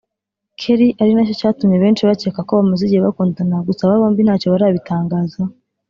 Kelly ari nacyo cyatumye benshi bakeka ko bamaze igihe bakundana gusa aba bombi ntacyo barabitangazaho